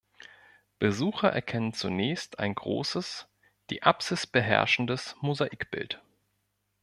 Besucher erkennen zunächst ein großes, die Apsis beherrschendes Mosaikbild.